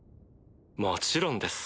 もちろんです。